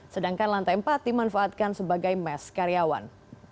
sedangkan lantai empat dimanfaatkan sebagai mes karyawan